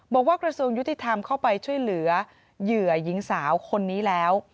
กระทรวงยุติธรรมเข้าไปช่วยเหลือเหยื่อหญิงสาวคนนี้แล้ว